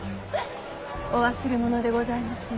お忘れ物でございますよ。